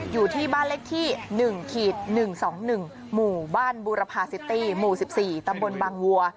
อยู่ที่บ้านเลขที่๑๑๒๑หมู่บ้านบูรพาซิตี้หมู่๑๔ตำบลบางวัว